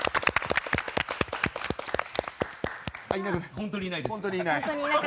本当にいないです。